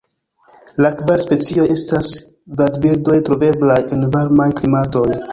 La kvar specioj estas vadbirdoj troveblaj en varmaj klimatoj.